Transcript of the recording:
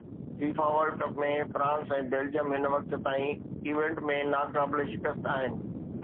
FIFA world cup ۾ France ۽ Belgium هن وقت تائين ايونٽ ۾ ناقابل شڪست آهن